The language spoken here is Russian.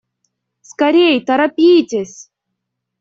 Скорей, торопитесь!